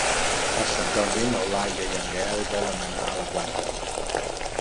Per Sant Jordi n'Eulàlia i en Gaël volen anar a la platja.